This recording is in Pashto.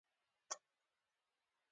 د لغتونو معنا دې په خپلو کتابچو کې ولیکي.